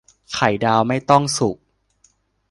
ไข่ดาวไม่ต้องสุก